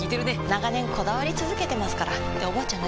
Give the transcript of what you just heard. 長年こだわり続けてますからっておばあちゃん